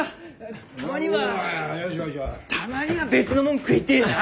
たまにはたまには別のもん食いてえよな。